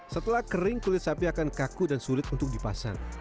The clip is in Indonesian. setelah kering kulit sapi akan kaku dan sulit untuk dipasang